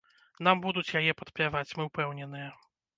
Нам будуць яе падпяваць, мы упэўненыя.